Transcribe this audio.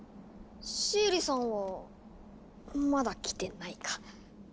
シエリさんはまだ来てないか。